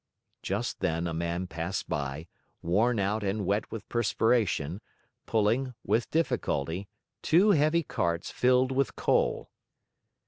Just then a man passed by, worn out and wet with perspiration, pulling, with difficulty, two heavy carts filled with coal.